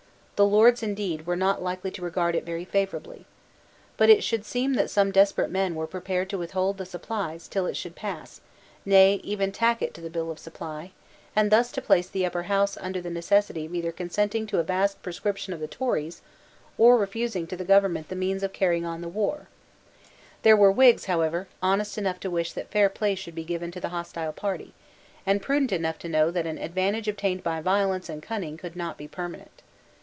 The Lords, indeed, were not likely to regard it very favourably. But it should seem that some desperate men were prepared to withhold the supplies till it should pass, nay, even to tack it to the bill of supply, and thus to place the Upper House under the necessity of either consenting to a vast proscription of the Tories or refusing to the government the means of carrying on the war, There were Whigs, however, honest enough to wish that fair play should be given to the hostile party, and prudent enough to know that an advantage obtained by violence and cunning could not be permanent.